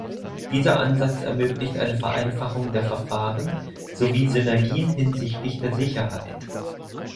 Dieser Ansatz ermöglicht eine Vereinfachung der Verfahren sowie Synergien hinsichtlich der Sicherheit.